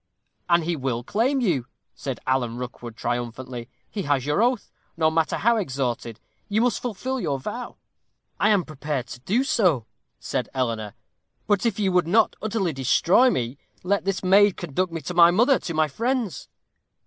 'And he will claim you,' said Alan Rookwood, triumphantly. 'He has your oath, no matter how extorted you must fulfil your vow.' 'I am prepared to do so,' said Eleanor. 'But if you would not utterly destroy me, let this maid conduct me to my mother, to my friends.'